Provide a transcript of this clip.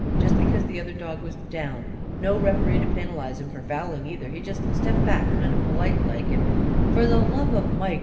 Just because the other dog was down. No ref'ree to penalise him for fouling, either. He just stepped back, kind of polite like, and " "For the love of Mike!"